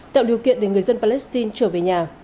tạo điều kiện để người dân palestine trở về nhà